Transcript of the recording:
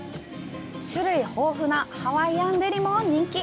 種類豊富なハワイアンデリも人気。